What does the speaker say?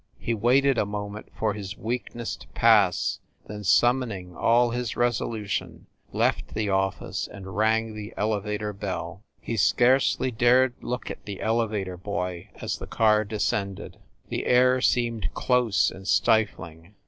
He waited a moment for his weakness to pass, then summoning all his resolution, left the office and rang the elevator bell. He scarcely dared look at the elevator boy as the car descended. The air seemed close and stifling.